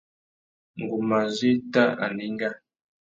Ngu má zu éta anenga.